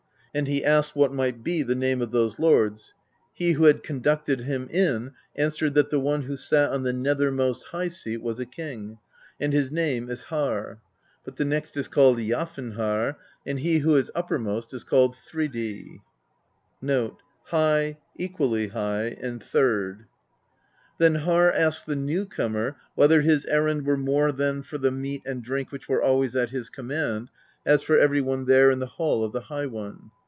And he asked what might be the name of those lords. He who had conducted him in answered that the one who sat on the nethermost high seat was a king, "and his name is Harr;^ but the next is named Jafnharr;"" and he who is uppermost is called Thridi."^ Then Harr asked the newcomer whether his errand were more than for the meat and drink which were always at his command, as for every one there in the Hall of the High One.